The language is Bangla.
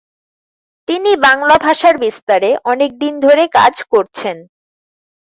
তিনি বাংলা ভাষার বিস্তারে অনেক দিন ধরে কাজ করছেন।